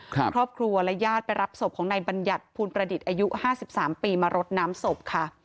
ครอบครัวและญาติไปรับศพของในบรรยัตน์ภูลประดิษฐ์อายุ๕๓ปีมารดน้ำศพ